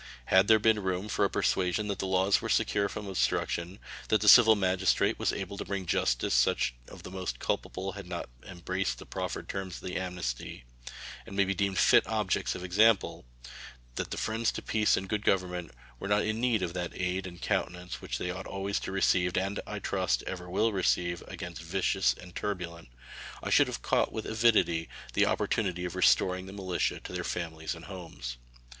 Had there been room for a persuasion that the laws were secure from obstruction; that the civil magistrate was able to bring to justice such of the most culpable as have not embraced the proffered terms of amnesty, and may be deemed fit objects of example; that the friends to peace and good government were not in need of that aid and countenance which they ought always to receive, and, I trust, ever will receive, against the vicious and turbulent, I should have caught with avidity the opportunity of restoring the militia to their families and homes.